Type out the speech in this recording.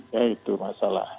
ya itu masalah